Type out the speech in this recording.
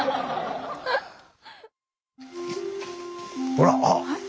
ほらあっ！